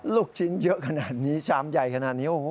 ลูกชิ้นเยอะขนาดนี้ชามใหญ่ขนาดนี้โอ้โห